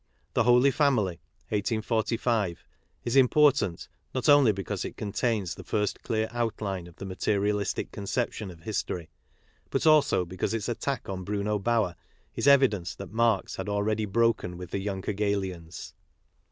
The Holy Family (1845) is important, not only because it contains the fijst clgar^utline o f the materiali stic conceptinn^nf histog^ but aliSlDecause its attack on Bruno Bauer is evidence that Marx had already broken with the youncr Hegelians.